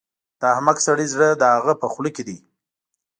د احمق سړي زړه د هغه په خوله کې دی.